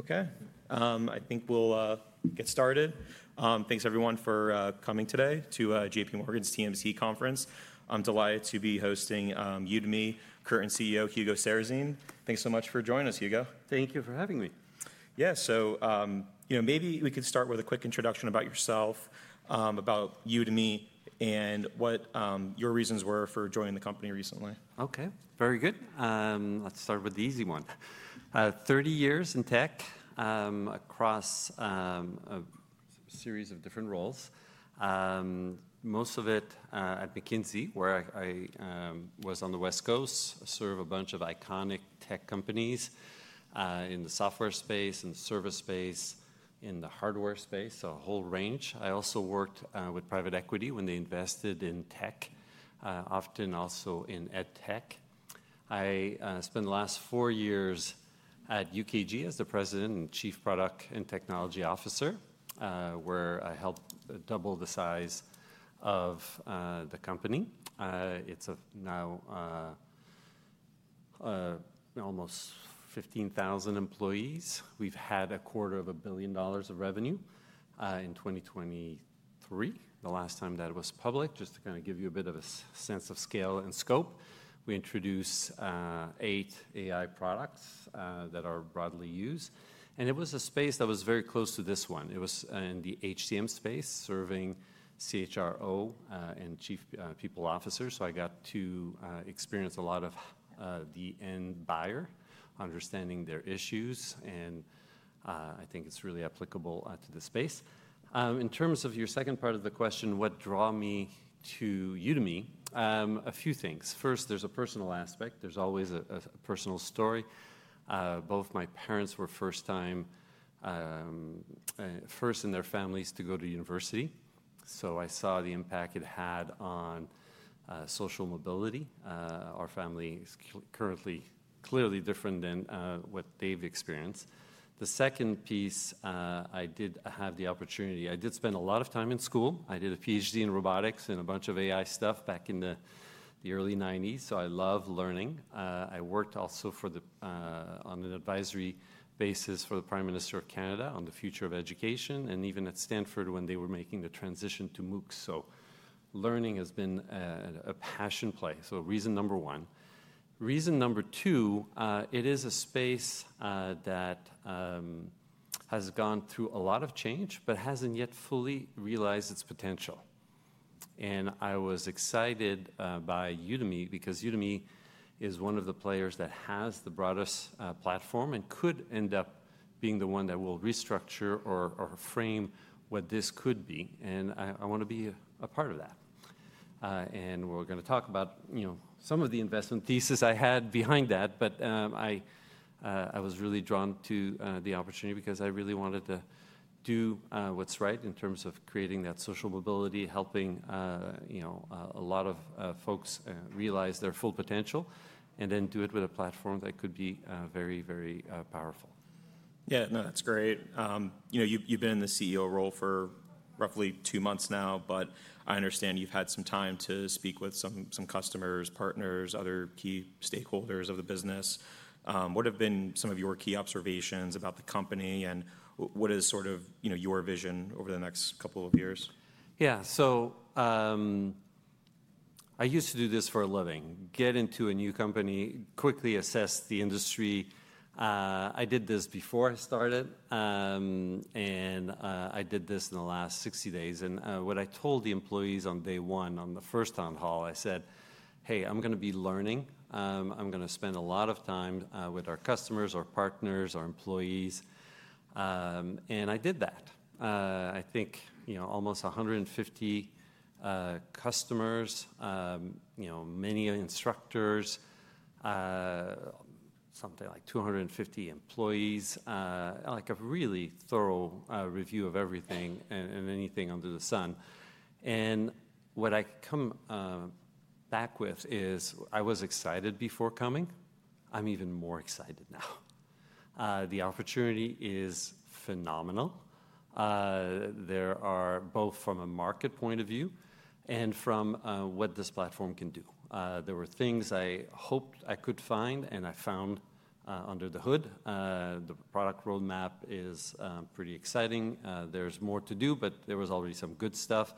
Okay. I think we'll get started. Thanks, everyone, for coming today to JPMorgan's TMC Conference. I'm delighted to be hosting Udemy current CEO, Hugo Sarrazin. Thanks so much for joining us, Hugo. Thank you for having me. Yeah. Maybe we could start with a quick introduction about yourself, about Udemy, and what your reasons were for joining the company recently. Okay. Very good. Let's start with the easy one. Thirty years in tech across a series of different roles, most of it at McKinsey, where I was on the West Coast, served a bunch of iconic tech companies in the software space, in the service space, in the hardware space, a whole range. I also worked with private equity when they invested in tech, often also in EdTech. I spent the last four years at UKG as the President and Chief Product and Technology Officer, where I helped double the size of the company. It's now almost 15,000 employees. We've had a quarter of a billion dollars of revenue in 2023. The last time that was public, just to kind of give you a bit of a sense of scale and scope, we introduced eight AI products that are broadly used. It was a space that was very close to this one. It was in the HCM space, serving CHRO and chief people officer. I got to experience a lot of the end buyer, understanding their issues. I think it's really applicable to the space. In terms of your second part of the question, what drew me to Udemy? A few things. First, there's a personal aspect. There's always a personal story. Both my parents were first-time first in their families to go to university. I saw the impact it had on social mobility. Our family is currently clearly different than what they've experienced. The second piece, I did have the opportunity, I did spend a lot of time in school. I did a PhD in robotics and a bunch of AI stuff back in the early 1990s. I love learning. I worked also on an advisory basis for the Prime Minister of Canada on the future of education, and even at Stanford when they were making the transition to MOOCs. Learning has been a passion play. Reason number one. Reason number two, it is a space that has gone through a lot of change, but has not yet fully realized its potential. I was excited by Udemy because Udemy is one of the players that has the broadest platform and could end up being the one that will restructure or frame what this could be. I want to be a part of that. We are going to talk about some of the investment thesis I had behind that. I was really drawn to the opportunity because I really wanted to do what's right in terms of creating that social mobility, helping a lot of folks realize their full potential, and then do it with a platform that could be very, very powerful. Yeah. No, that's great. You've been in the CEO role for roughly two months now. I understand you've had some time to speak with some customers, partners, other key stakeholders of the business. What have been some of your key observations about the company? What is sort of your vision over the next couple of years? Yeah. I used to do this for a living. Get into a new company, quickly assess the industry. I did this before I started. I did this in the last 60 days. What I told the employees on day one, on the first town hall, I said, hey, I'm going to be learning. I'm going to spend a lot of time with our customers, our partners, our employees. I did that. I think almost 150 customers, many instructors, something like 250 employees, like a really thorough review of everything and anything under the sun. What I come back with is I was excited before coming. I'm even more excited now. The opportunity is phenomenal. There are, both from a market point of view and from what this platform can do, there were things I hoped I could find, and I found under the hood. The product roadmap is pretty exciting. There's more to do, but there was already some good stuff.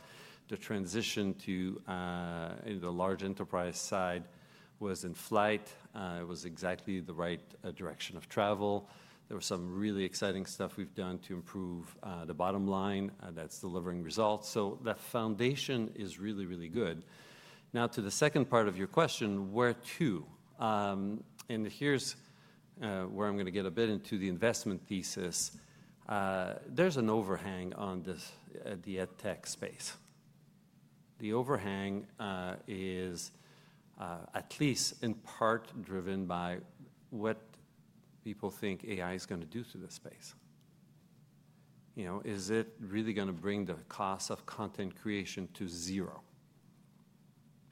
The transition to the large enterprise side was in flight. It was exactly the right direction of travel. There was some really exciting stuff we've done to improve the bottom line that's delivering results. That foundation is really, really good. Now, to the second part of your question, where to? Here's where I'm going to get a bit into the investment thesis. There's an overhang on the EdTech space. The overhang is at least in part driven by what people think AI is going to do to this space. Is it really going to bring the cost of content creation to zero?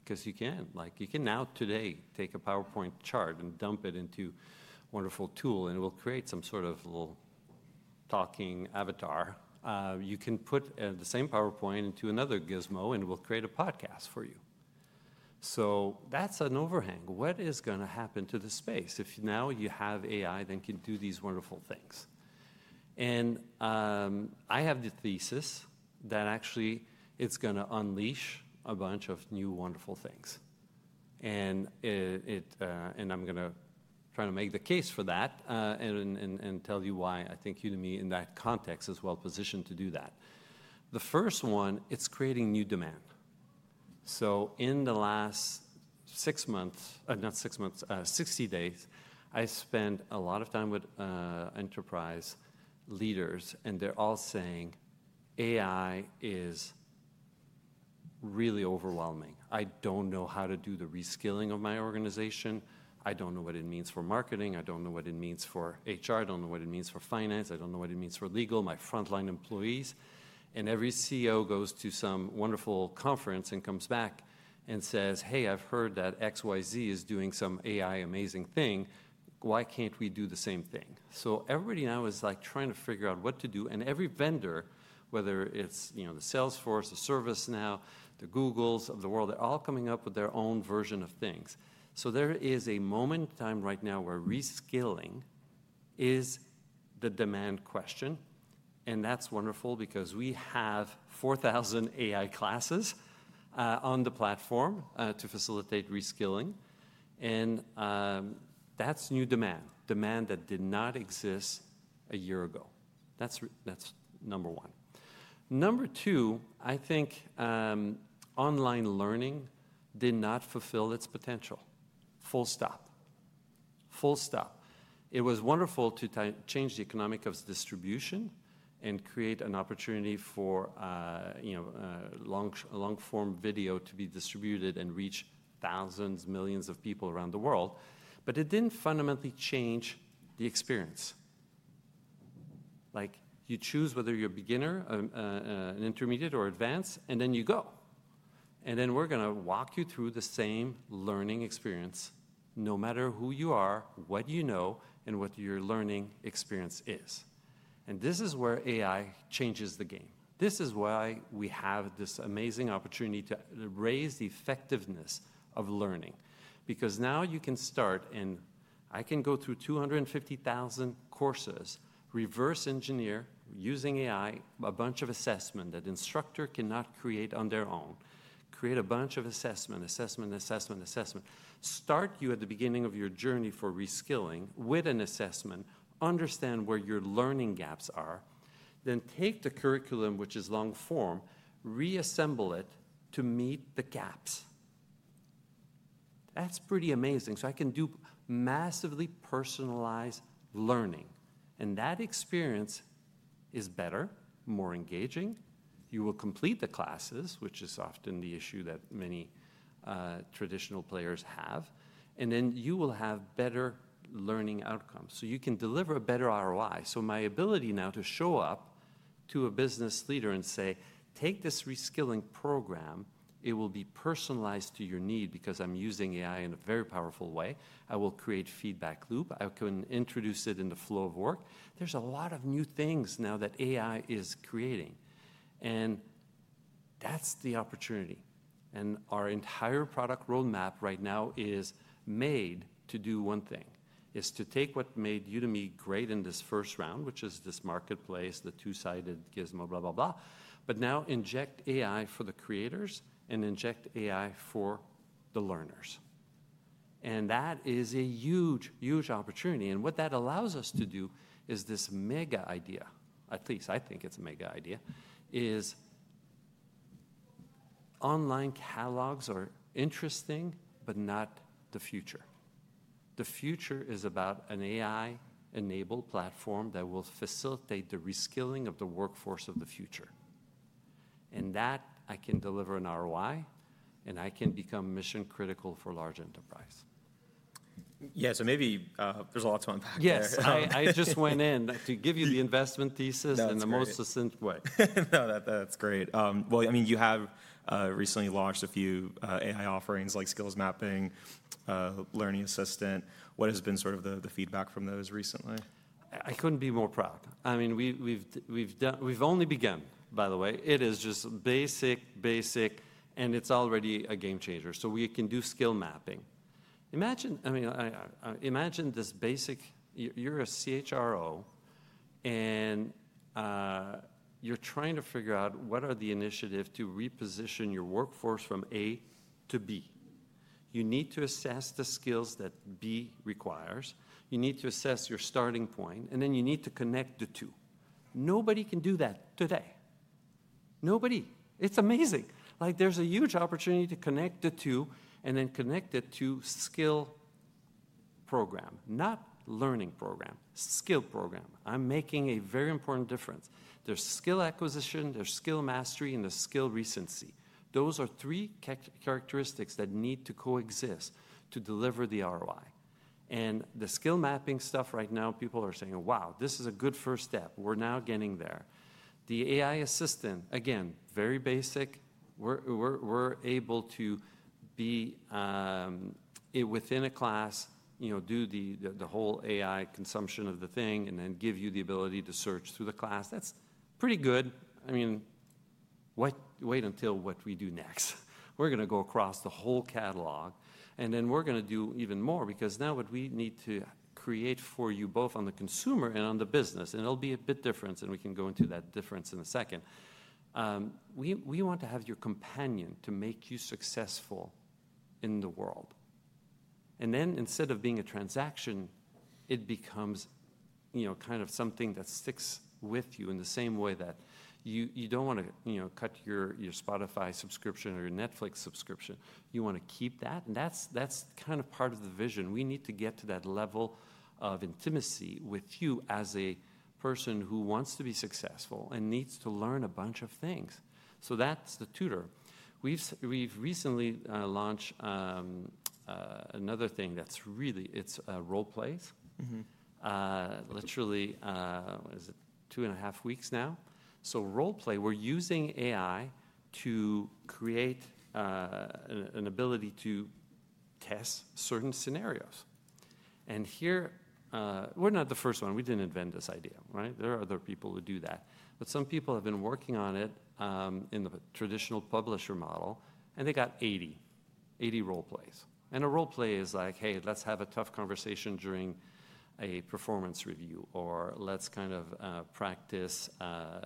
Because you can. You can now today take a PowerPoint chart and dump it into a wonderful tool, and it will create some sort of little talking avatar. You can put the same PowerPoint into another gizmo, and it will create a podcast for you. That is an overhang. What is going to happen to the space if now you have AI that can do these wonderful things? I have the thesis that actually it is going to unleash a bunch of new wonderful things. I am going to try to make the case for that and tell you why I think Udemy, in that context, is well positioned to do that. The first one, it is creating new demand. In the last six months, not six months, 60 days, I spent a lot of time with enterprise leaders. They are all saying AI is really overwhelming. I do not know how to do the reskilling of my organization. I do not know what it means for marketing. I do not know what it means for HR. I don't know what it means for finance. I don't know what it means for legal, my frontline employees. Every CEO goes to some wonderful conference and comes back and says, hey, I've heard that XYZ is doing some AI amazing thing. Why can't we do the same thing? Everybody now is trying to figure out what to do. Every vendor, whether it's Salesforce, ServiceNow, the Googles of the world, they're all coming up with their own version of things. There is a moment in time right now where reskilling is the demand question. That's wonderful because we have 4,000 AI classes on the platform to facilitate reskilling. That's new demand, demand that did not exist a year ago. That's number one. Number two, I think online learning did not fulfill its potential. Full stop. Full stop. It was wonderful to change the economic distribution and create an opportunity for long-form video to be distributed and reach thousands, millions of people around the world. It did not fundamentally change the experience. You choose whether you are a beginner, an intermediate, or advanced, and then you go. We are going to walk you through the same learning experience, no matter who you are, what you know, and what your learning experience is. This is where AI changes the game. This is why we have this amazing opportunity to raise the effectiveness of learning. Because now you can start, and I can go through 250,000 courses, reverse engineer using AI, a bunch of assessment that an instructor cannot create on their own, create a bunch of assessment, start you at the beginning of your journey for reskilling with an assessment, understand where your learning gaps are, then take the curriculum, which is long-form, reassemble it to meet the gaps. That's pretty amazing. I can do massively personalized learning. That experience is better, more engaging. You will complete the classes, which is often the issue that many traditional players have. You will have better learning outcomes. You can deliver a better ROI. My ability now to show up to a business leader and say, take this reskilling program, it will be personalized to your need because I'm using AI in a very powerful way. I will create a feedback loop. I can introduce it in the flow of work. There's a lot of new things now that AI is creating. That's the opportunity. Our entire product roadmap right now is made to do one thing, is to take what made Udemy great in this first round, which is this marketplace, the two-sided gizmo, blah, blah, blah, but now inject AI for the creators and inject AI for the learners. That is a huge, huge opportunity. What that allows us to do is this mega idea, at least I think it's a mega idea, is online catalogs are interesting, but not the future. The future is about an AI-enabled platform that will facilitate the reskilling of the workforce of the future. I can deliver an ROI, and I can become mission-critical for large enterprise. Yeah. So maybe there's a lot to unpack there. Yes. I just went in to give you the investment thesis in the most succinct way. No, that's great. I mean, you have recently launched a few AI offerings, like Skills Mapping, Learning Assistant. What has been sort of the feedback from those recently? I couldn't be more proud. I mean, we've only begun, by the way. It is just basic, basic, and it's already a game changer. We can do skill mapping. Imagine this basic, you're a CHRO, and you're trying to figure out what are the initiatives to reposition your workforce from A to B. You need to assess the skills that B requires. You need to assess your starting point. You need to connect the two. Nobody can do that today. Nobody. It's amazing. There's a huge opportunity to connect the two and then connect it to skill program, not learning program, skill program. I'm making a very important difference. There's skill acquisition, there's skill mastery, and there's skill recency. Those are three characteristics that need to coexist to deliver the ROI. The skill mapping stuff right now, people are saying, wow, this is a good first step. We're now getting there. The AI assistant, again, very basic. We're able to be within a class, do the whole AI consumption of the thing, and then give you the ability to search through the class. That's pretty good. I mean, wait until what we do next. We're going to go across the whole catalog. We're going to do even more because now what we need to create for you, both on the consumer and on the business, and it'll be a bit different, and we can go into that difference in a second. We want to have your companion to make you successful in the world. Instead of being a transaction, it becomes kind of something that sticks with you in the same way that you do not want to cut your Spotify subscription or your Netflix subscription. You want to keep that. That is kind of part of the vision. We need to get to that level of intimacy with you as a person who wants to be successful and needs to learn a bunch of things. That is the tutor. We have recently launched another thing that is really, it is a role play. Literally, what is it, two and a half weeks now? Role play, we are using AI to create an ability to test certain scenarios. Here, we are not the first one. We did not invent this idea, right? There are other people who do that. Some people have been working on it in the traditional publisher model. They got 80, 80 role plays. A role play is like, hey, let's have a tough conversation during a performance review, or let's kind of practice how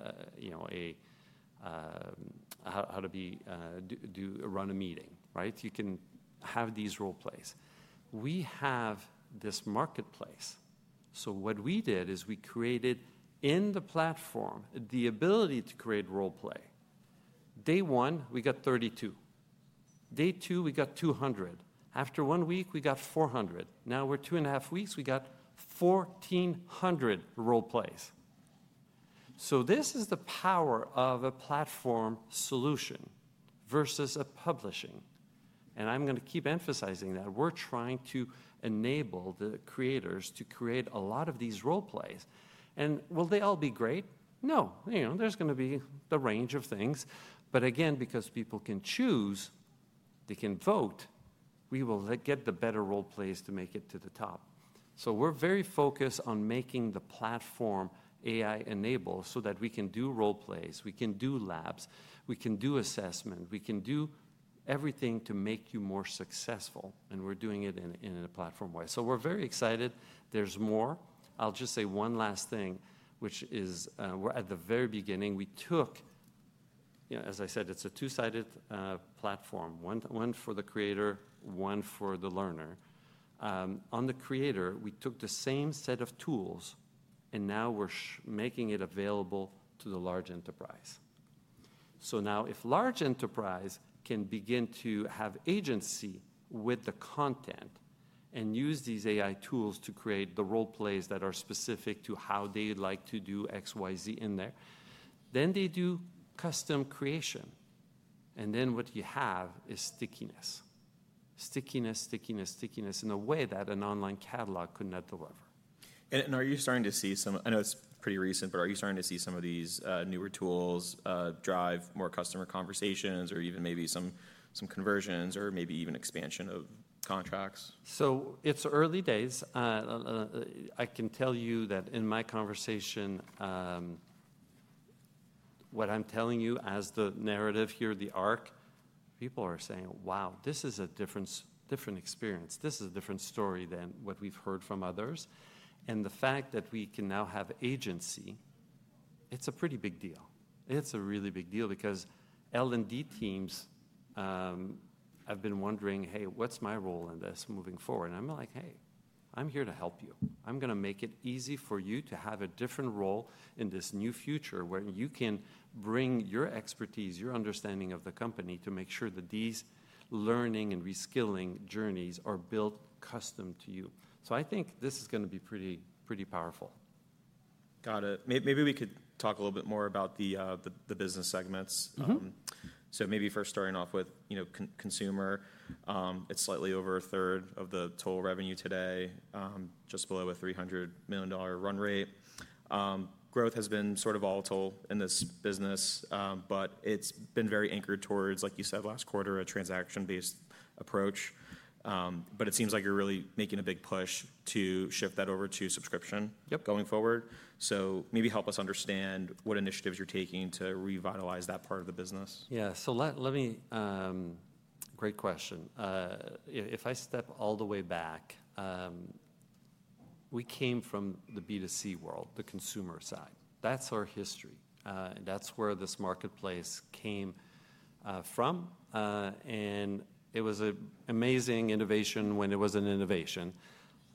to run a meeting, right? You can have these role plays. We have this marketplace. What we did is we created in the platform the ability to create role play. Day one, we got 32. Day two, we got 200. After one week, we got 400. Now, we're two and a half weeks. We got 1,400 role plays. This is the power of a platform solution versus a publishing. I'm going to keep emphasizing that we're trying to enable the creators to create a lot of these role plays. Will they all be great? No. There's going to be the range of things. Again, because people can choose, they can vote, we will get the better role plays to make it to the top. We are very focused on making the platform AI-enabled so that we can do role plays. We can do labs. We can do assessment. We can do everything to make you more successful. We are doing it in a platform way. We are very excited. There is more. I will just say one last thing, which is we are at the very beginning. We took, as I said, it is a two-sided platform, one for the creator, one for the learner. On the creator, we took the same set of tools, and now we are making it available to the large enterprise. Now, if large enterprise can begin to have agency with the content and use these AI tools to create the role plays that are specific to how they'd like to do X, Y, Z in there, then they do custom creation. What you have is stickiness, stickiness, stickiness, stickiness in a way that an online catalog could not deliver. Are you starting to see some, I know it's pretty recent, but are you starting to see some of these newer tools drive more customer conversations or even maybe some conversions or maybe even expansion of contracts? It's early days. I can tell you that in my conversation, what I'm telling you as the narrative here, the arc, people are saying, wow, this is a different experience. This is a different story than what we've heard from others. The fact that we can now have agency, it's a pretty big deal. It's a really big deal because L&D teams have been wondering, hey, what's my role in this moving forward? I'm like, hey, I'm here to help you. I'm going to make it easy for you to have a different role in this new future where you can bring your expertise, your understanding of the company to make sure that these learning and reskilling journeys are built custom to you. I think this is going to be pretty powerful. Got it. Maybe we could talk a little bit more about the business segments. Maybe first starting off with consumer, it's slightly over a third of the total revenue today, just below a $300 million run rate. Growth has been sort of volatile in this business, but it's been very anchored towards, like you said, last quarter, a transaction-based approach. It seems like you're really making a big push to shift that over to subscription going forward. Maybe help us understand what initiatives you're taking to revitalize that part of the business. Yeah. Great question. If I step all the way back, we came from the B2C world, the consumer side. That's our history. That's where this marketplace came from. It was an amazing innovation when it was an innovation.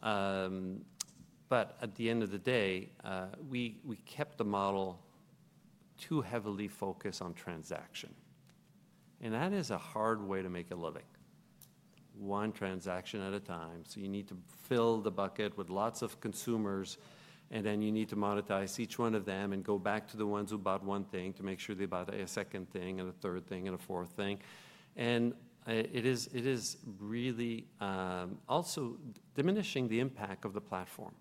At the end of the day, we kept the model too heavily focused on transaction. That is a hard way to make a living, one transaction at a time. You need to fill the bucket with lots of consumers. Then you need to monetize each one of them and go back to the ones who bought one thing to make sure they bought a second thing and a third thing and a fourth thing. It is really also diminishing the impact of the platform.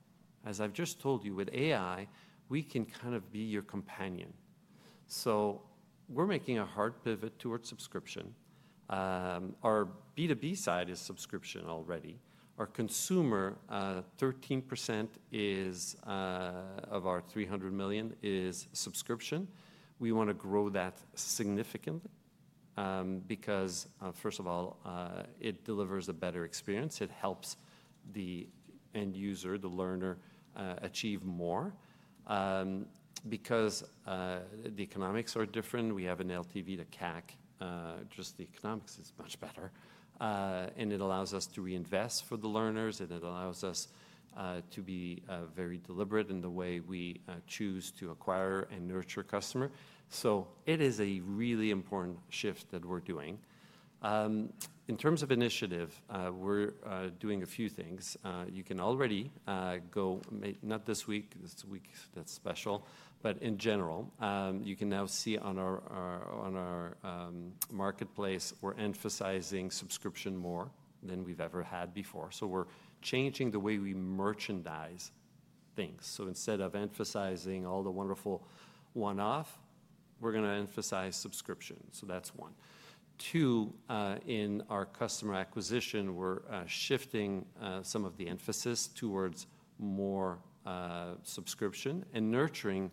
As I've just told you, with AI, we can kind of be your companion. We're making a hard pivot towards subscription. Our B2B side is subscription already. Our consumer, 13% of our 300 million is subscription. We want to grow that significantly because, first of all, it delivers a better experience. It helps the end user, the learner, achieve more. Because the economics are different, we have an LTV to CAC, just the economics is much better. It allows us to reinvest for the learners. It allows us to be very deliberate in the way we choose to acquire and nurture customers. It is a really important shift that we're doing. In terms of initiative, we're doing a few things. You can already go, not this week. This week, that's special. In general, you can now see on our marketplace, we're emphasizing subscription more than we've ever had before. We're changing the way we merchandise things. Instead of emphasizing all the wonderful one-off, we're going to emphasize subscription. That's one. Two, in our customer acquisition, we're shifting some of the emphasis towards more subscription and nurturing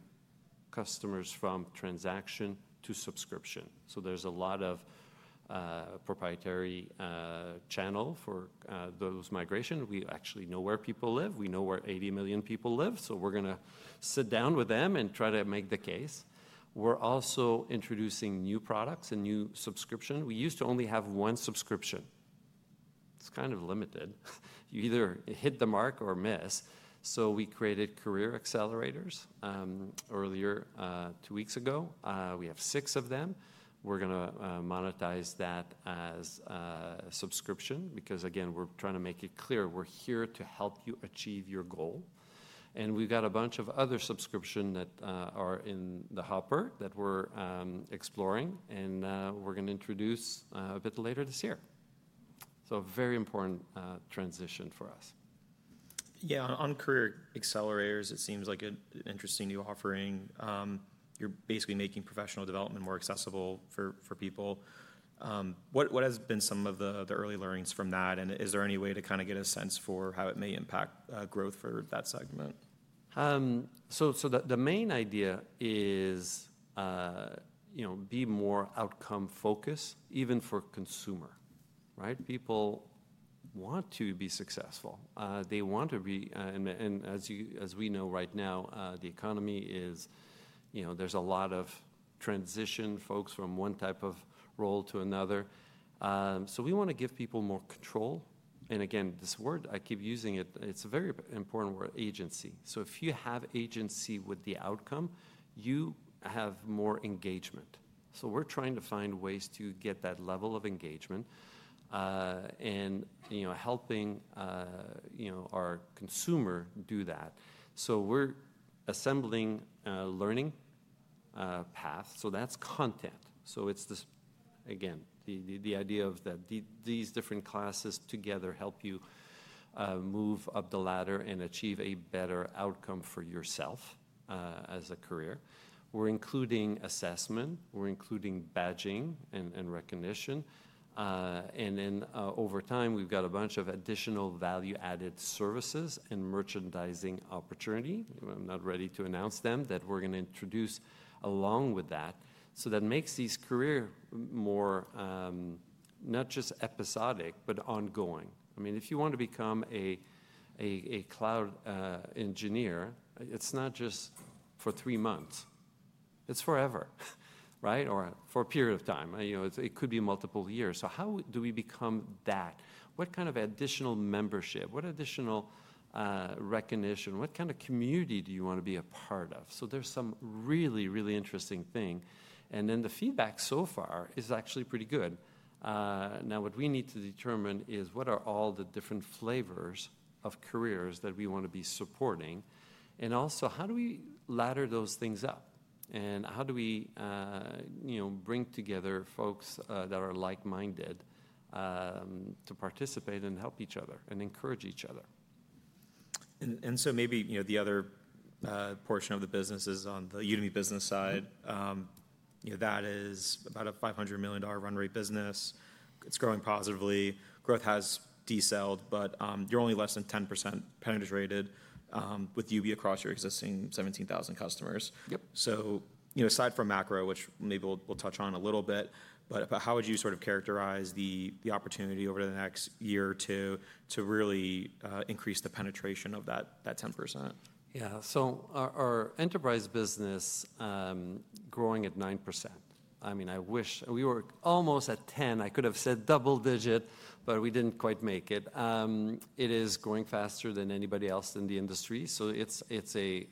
customers from transaction to subscription. There's a lot of proprietary channel for those migrations. We actually know where people live. We know where 80 million people live. We're going to sit down with them and try to make the case. We're also introducing new products and new subscriptions. We used to only have one subscription. It's kind of limited. You either hit the mark or miss. We created Career Accelerators earlier two weeks ago. We have six of them. We're going to monetize that as subscription because, again, we're trying to make it clear. We're here to help you achieve your goal. We've got a bunch of other subscriptions that are in the hopper that we're exploring. We're going to introduce a bit later this year. A very important transition for us. Yeah. On Career Accelerators, it seems like an interesting new offering. You're basically making professional development more accessible for people. What has been some of the early learnings from that? Is there any way to kind of get a sense for how it may impact growth for that segment? The main idea is be more outcome-focused, even for consumer, right? People want to be successful. They want to be, and as we know right now, the economy is, there's a lot of transition, folks, from one type of role to another. We want to give people more control. Again, this word, I keep using it. It's a very important word, agency. If you have agency with the outcome, you have more engagement. We're trying to find ways to get that level of engagement and helping our consumer do that. We're assembling a learning path. That's content. It's this, again, the idea that these different classes together help you move up the ladder and achieve a better outcome for yourself as a career. We're including assessment. We're including badging and recognition. Over time, we've got a bunch of additional value-added services and merchandising opportunity. I'm not ready to announce them that we're going to introduce along with that. That makes these careers more not just episodic, but ongoing. I mean, if you want to become a cloud engineer, it's not just for three months. It's forever, right, or for a period of time. It could be multiple years. How do we become that? What kind of additional membership? What additional recognition? What kind of community do you want to be a part of? There's some really, really interesting thing. The feedback so far is actually pretty good. Now, what we need to determine is what are all the different flavors of careers that we want to be supporting? Also, how do we ladder those things up? How do we bring together folks that are like-minded to participate and help each other and encourage each other? Maybe the other portion of the business is on the Udemy Business side. That is about a $500 million run rate business. It's growing positively. Growth has decelled, but you're only less than 10% penetrated with Udemy across your existing 17,000 customers. Aside from macro, which maybe we'll touch on a little bit, how would you sort of characterize the opportunity over the next year or two to really increase the penetration of that 10%? Yeah. Our enterprise business is growing at 9%. I mean, I wish we were almost at 10%. I could have said double digit, but we did not quite make it. It is growing faster than anybody else in the industry. It is a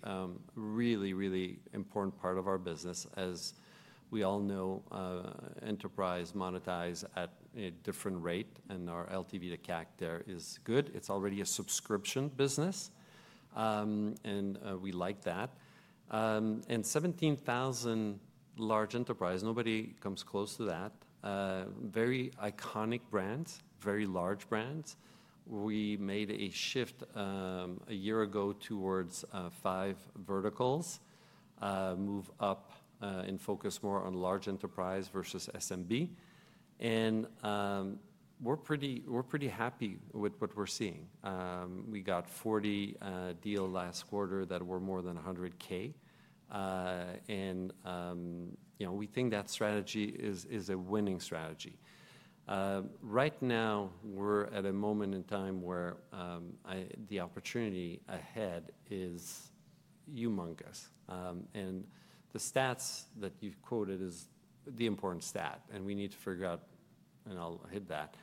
really, really important part of our business. As we all know, enterprise monetizes at a different rate. Our LTV to CAC there is good. It is already a subscription business, and we like that. Seventeen thousand large enterprise, nobody comes close to that. Very iconic brands, very large brands. We made a shift a year ago towards five verticals, move up and focus more on large enterprise versus SMB. We are pretty happy with what we are seeing. We got 40 deals last quarter that were more than $100,000. We think that strategy is a winning strategy. Right now, we're at a moment in time where the opportunity ahead is humongous. The stats that you've quoted is the important stat. We need to figure out, and I'll hit that,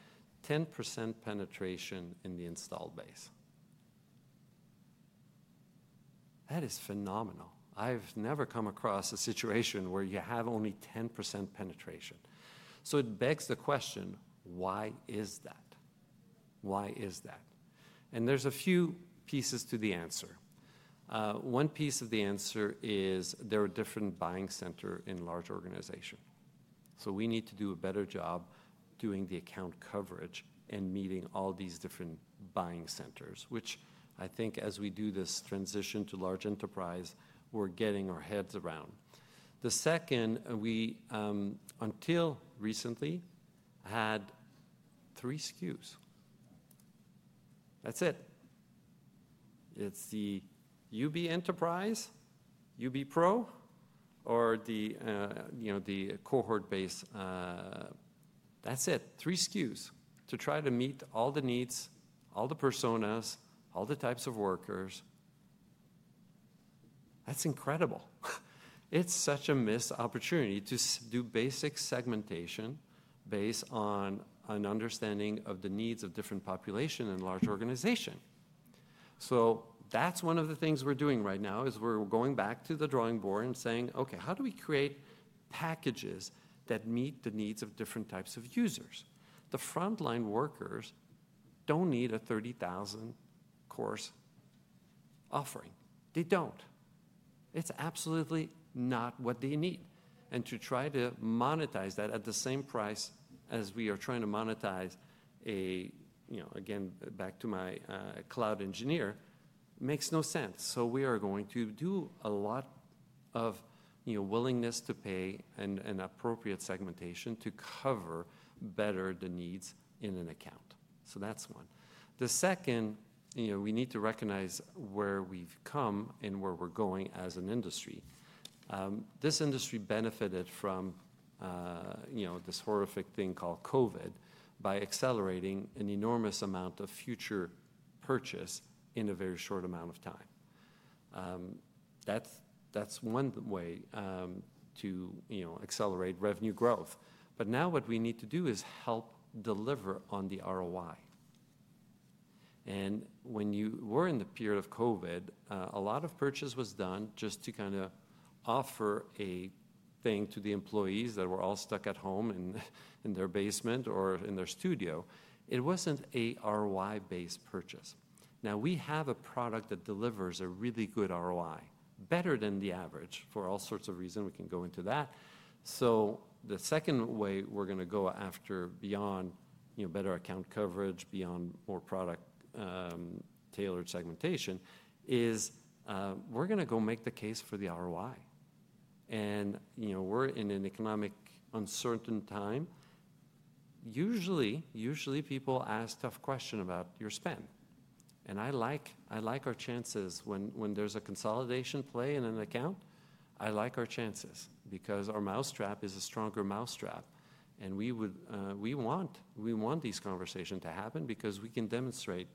10% penetration in the installed base. That is phenomenal. I've never come across a situation where you have only 10% penetration. It begs the question, why is that? Why is that? There's a few pieces to the answer. One piece of the answer is there are different buying centers in large organizations. We need to do a better job doing the account coverage and meeting all these different buying centers, which I think as we do this transition to large enterprise, we're getting our heads around. The second, we until recently had three SKUs. That's it. It's the Udemy Enterprise, Udemy Pro, or the cohort-based. That's it, three SKUs to try to meet all the needs, all the personas, all the types of workers. That's incredible. It's such a missed opportunity to do basic segmentation based on an understanding of the needs of different populations in a large organization. One of the things we're doing right now is we're going back to the drawing board and saying, OK, how do we create packages that meet the needs of different types of users? The frontline workers don't need a 30,000 course offering. They don't. It's absolutely not what they need. To try to monetize that at the same price as we are trying to monetize a, again, back to my cloud engineer, makes no sense. We are going to do a lot of willingness to pay and appropriate segmentation to cover better the needs in an account. That's one. The second, we need to recognize where we've come and where we're going as an industry. This industry benefited from this horrific thing called COVID by accelerating an enormous amount of future purchase in a very short amount of time. That is one way to accelerate revenue growth. Now what we need to do is help deliver on the ROI. When you were in the period of COVID, a lot of purchase was done just to kind of offer a thing to the employees that were all stuck at home in their basement or in their studio. It was not an ROI-based purchase. Now, we have a product that delivers a really good ROI, better than the average for all sorts of reasons. We can go into that. The second way we're going to go after beyond better account coverage, beyond more product-tailored segmentation is we're going to go make the case for the ROI. We're in an economic uncertain time. Usually, people ask a tough question about your spend. I like our chances when there's a consolidation play in an account. I like our chances because our mousetrap is a stronger mousetrap. We want these conversations to happen because we can demonstrate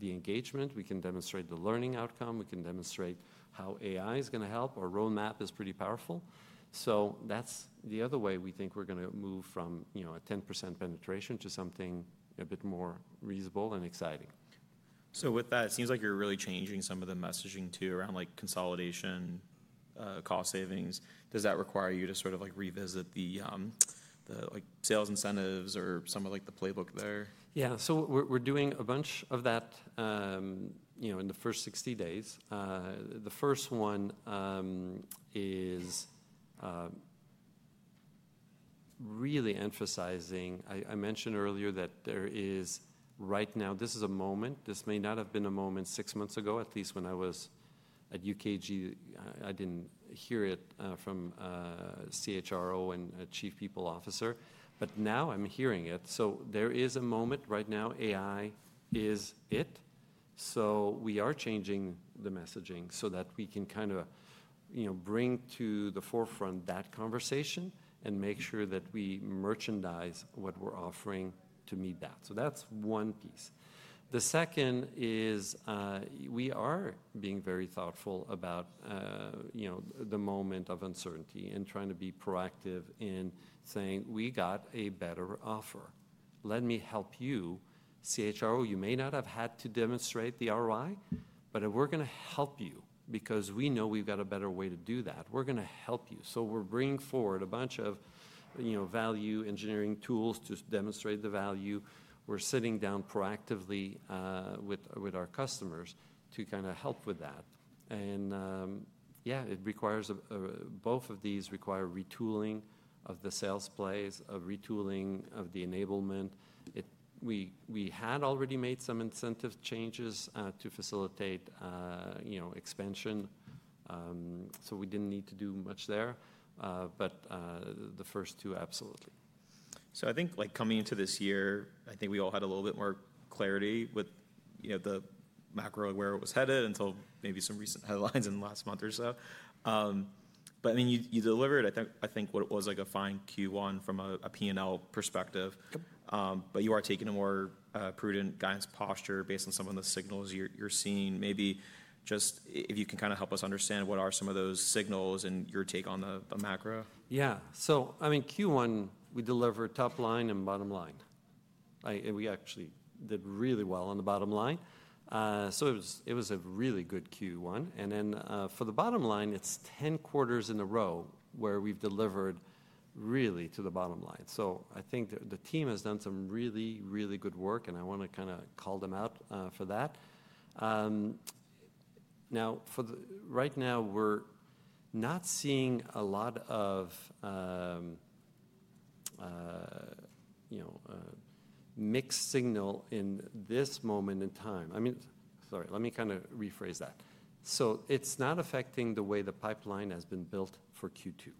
the engagement. We can demonstrate the learning outcome. We can demonstrate how AI is going to help. Our roadmap is pretty powerful. That's the other way we think we're going to move from a 10% penetration to something a bit more reasonable and exciting. With that, it seems like you're really changing some of the messaging too around consolidation, cost savings. Does that require you to sort of revisit the sales incentives or some of the playbook there? Yeah. So we're doing a bunch of that in the first 60 days. The first one is really emphasizing I mentioned earlier that there is right now this is a moment. This may not have been a moment six months ago, at least when I was at UKG. I didn't hear it from CHRO and Chief People Officer. Now I'm hearing it. There is a moment right now. AI is it. We are changing the messaging so that we can kind of bring to the forefront that conversation and make sure that we merchandise what we're offering to meet that. That's one piece. The second is we are being very thoughtful about the moment of uncertainty and trying to be proactive in saying, we got a better offer. Let me help you, CHRO. You may not have had to demonstrate the ROI, but we're going to help you because we know we've got a better way to do that. We're going to help you. We're bringing forward a bunch of value engineering tools to demonstrate the value. We're sitting down proactively with our customers to kind of help with that. Yeah, both of these require retooling of the sales plays, retooling of the enablement. We had already made some incentive changes to facilitate expansion. We did not need to do much there. The first two, absolutely. I think coming into this year, I think we all had a little bit more clarity with the macro where it was headed until maybe some recent headlines in the last month or so. I mean, you delivered, I think, what was like a fine Q1 from a P&L perspective. You are taking a more prudent guidance posture based on some of the signals you're seeing. Maybe just if you can kind of help us understand what are some of those signals and your take on the macro. Yeah. So I mean, Q1, we delivered top line and bottom line. We actually did really well on the bottom line. It was a really good Q1. For the bottom line, it is 10 quarters in a row where we have delivered really to the bottom line. I think the team has done some really, really good work. I want to kind of call them out for that. Right now, we are not seeing a lot of mixed signal in this moment in time. I mean, sorry, let me kind of rephrase that. It is not affecting the way the pipeline has been built for Q2.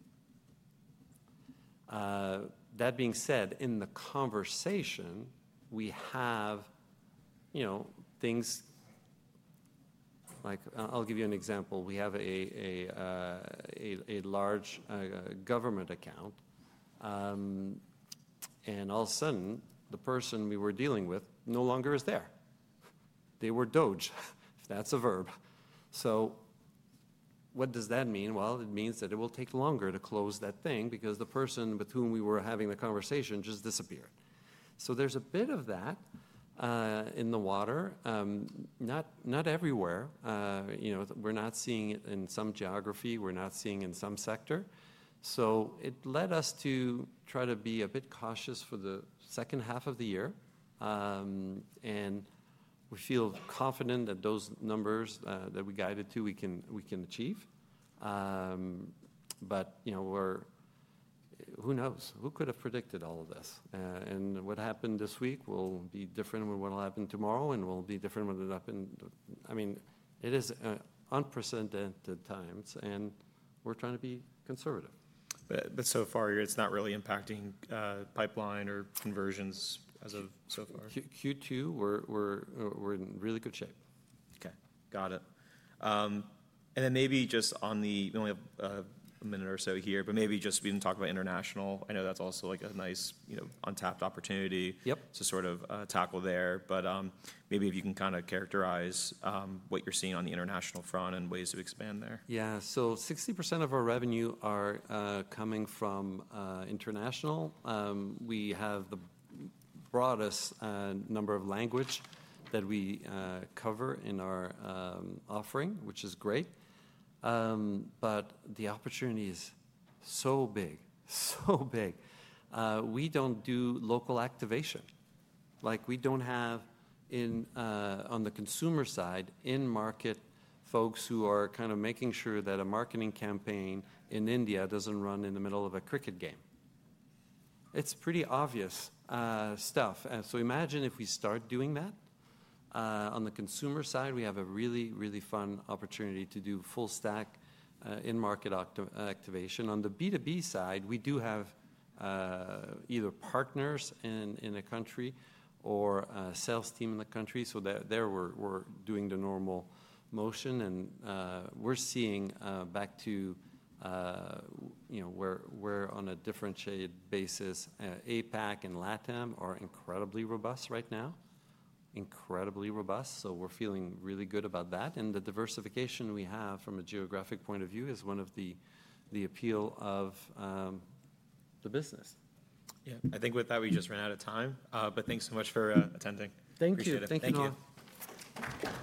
That being said, in the conversation, we have things like, I will give you an example. We have a large government account. All of a sudden, the person we were dealing with no longer is there. They were Doge, if that's a verb. What does that mean? It means that it will take longer to close that thing because the person with whom we were having the conversation just disappeared. There's a bit of that in the water. Not everywhere. We're not seeing it in some geography. We're not seeing it in some sector. It led us to try to be a bit cautious for the second half of the year. We feel confident that those numbers that we guided to, we can achieve. Who knows? Who could have predicted all of this? What happened this week will be different than what will happen tomorrow. It will be different than what will happen. I mean, it is unprecedented times. We're trying to be conservative. So far, it's not really impacting pipeline or conversions as of so far? Q2, we're in really good shape. OK, got it. Maybe just on the we only have a minute or so here. Maybe just we can talk about international. I know that's also like a nice untapped opportunity to sort of tackle there. Maybe if you can kind of characterize what you're seeing on the international front and ways to expand there. Yeah. So 60% of our revenue are coming from international. We have the broadest number of language that we cover in our offering, which is great. The opportunity is so big, so big. We do not do local activation. We do not have on the consumer side in market folks who are kind of making sure that a marketing campaign in India does not run in the middle of a cricket game. It is pretty obvious stuff. Imagine if we start doing that. On the consumer side, we have a really, really fun opportunity to do full stack in market activation. On the B2B side, we do have either partners in the country or a sales team in the country. There, we are doing the normal motion. We are seeing back to where we are on a differentiated basis. APAC and LATAM are incredibly robust right now, incredibly robust. We're feeling really good about that. The diversification we have from a geographic point of view is one of the appeals of the business. Yeah. I think with that, we just ran out of time. Thanks so much for attending. Thank you. Appreciate it. Thank you.